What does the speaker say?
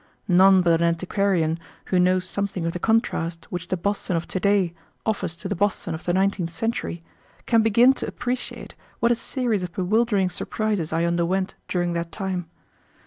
None but an antiquarian who knows something of the contrast which the Boston of today offers to the Boston of the nineteenth century can begin to appreciate what a series of bewildering surprises I underwent during that time.